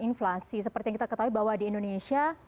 inflasi seperti yang kita ketahui bahwa di indonesia